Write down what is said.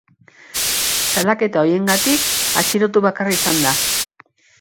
Salaketa horiengatik atxilotu bakarra izan da.